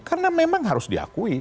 karena memang harus diakui